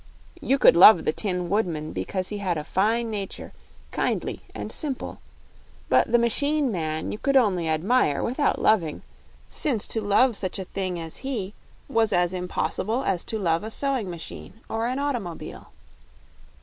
You could love the Tin Woodman because he had a fine nature, kindly and simple; but the machine man you could only admire without loving, since to love such a thing as he was as impossible as to love a sewing machine or an automobile.